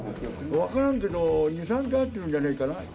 分からんけど、２、３回会ってるんじゃないかな？